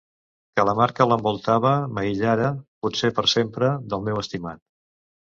Que la mar que l'envoltava m'aïllara, potser per sempre, del meu estimat.